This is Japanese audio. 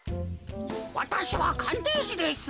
わたしはかんていしです。